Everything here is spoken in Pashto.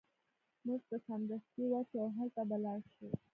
موږ به سمدستي ورشو او هلته به لاړ شو